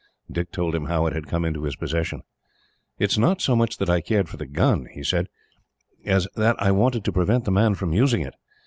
Dick told him how it had come into his possession. "It was not so much that I cared for the gun," he said, "as that I wanted to prevent the man from using it.